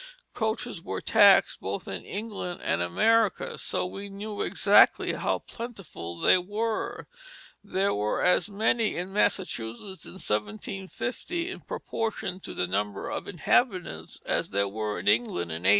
Coaches were taxed both in England and America; so we know exactly how plentiful they were. There were as many in Massachusetts in 1750 in proportion to the number of inhabitants as there were in England in 1830.